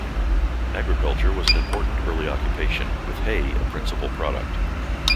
Agriculture was an important early occupation, with hay a principal product.